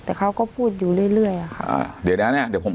แต่เขาก็พูดอยู่เรื่อยอะค่ะเดี๋ยวแล้วเนี้ยเดี๋ยวผม